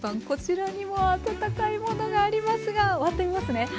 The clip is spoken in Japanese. こちらにも温かいものがありますが割ってみますね。